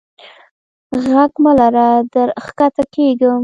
ږغ مه لره در کښته کیږم.